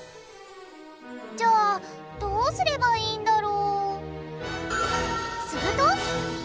じゃあどうすればいいんだろ？